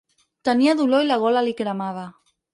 Tenia dolor i la gola li cremava.